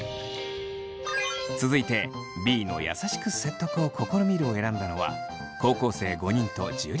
続いてＢの「優しく説得を試みる」を選んだのは高校生５人と樹。